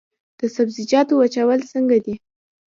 د سبزیجاتو وچول څنګه دي؟